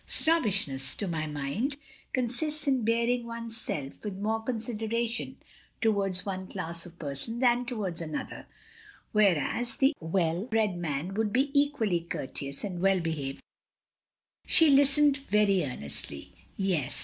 Snobbishness, to my mind, consists in bearing oneself with more con sideration towards one class of person than towards another; whereas the well bred man wotild be equally courteous and well behaved to all." She listened very earnestly. "Yes.